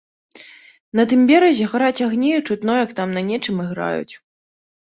На тым беразе гараць агні і чутно, як там на нечым іграюць.